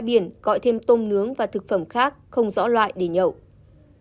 đoàn quay biển gọi thêm tôm nướng và thực phẩm khác không rõ loại để nhậu